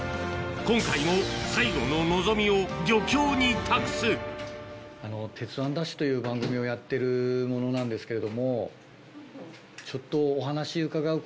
今回も最後の望みを漁協に託す『鉄腕！ＤＡＳＨ‼』という番組をやってる者なんですけれども。